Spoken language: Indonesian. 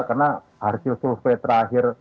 karena hasil sulfi terakhir